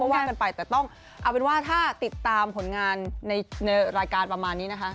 เอาเป็นว่าถ้าติดตามผลงานในรายการประมาณนี้นะคะ